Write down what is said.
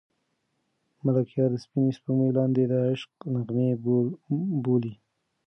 ملکیار د سپینې سپوږمۍ لاندې د عشق نغمې بولي.